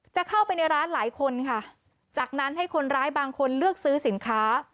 จะเข้าไปในร้านหลายคนค่ะจากนั้นให้คนร้ายบางคนเลือกซื้อสินค้า